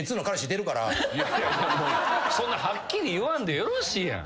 そんなはっきり言わんでよろしいやん。